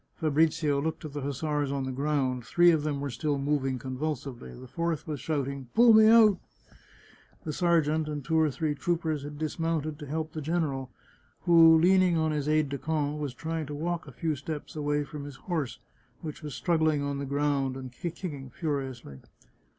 Fabrizio looked at the hussars on the ground ; three of them were still moving convulsively, the fourth was shouting " Pull me out !" The sergeant and two or three troopers had dismounted to help the general, who, leaning on his aide de camp, was trying to walk a few steps away from his horse, which was struggling on the ground and kicking furiously.